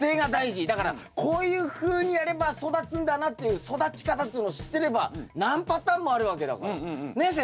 だからこういうふうにやれば育つんだなっていう育ち方っていうのを知ってれば何パターンもあるわけだから。ね？